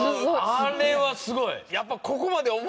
あれはすごい。